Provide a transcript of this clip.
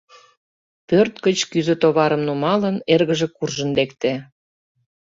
Пӧрт гыч, кӱзӧ-товарым нумалын, эргыже куржын лекте.